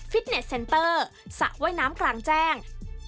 เน็ตเซ็นเตอร์สระว่ายน้ำกลางแจ้ง